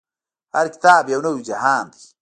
هر کتاب يو نوی جهان دی.